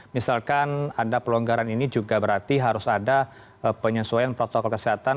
misalkan ada pelonggaran ini juga berarti harus ada penyesuaian protokol kesehatan